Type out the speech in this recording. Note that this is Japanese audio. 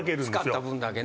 使った分だけね。